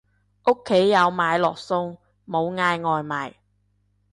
屋企有買落餸，冇嗌外賣